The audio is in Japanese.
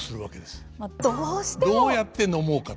どうやって飲もうかと。